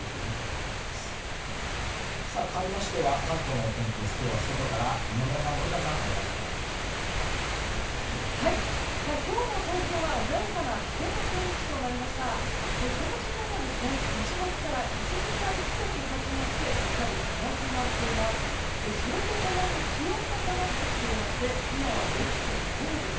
この時間は日没から１時間近く経ちましてすっかり暗くなっています。